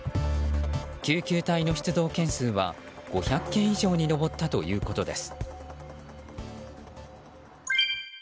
救急隊の出動件数は５００件以上に上ったということです。